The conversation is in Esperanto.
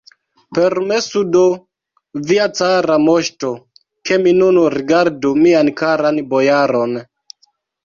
Permesu do, via cara moŝto, ke mi nun rigardu mian karan bojaron!